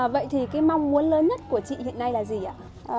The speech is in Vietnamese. vậy thì cái mong muốn lớn nhất của chị hiện nay là gì ạ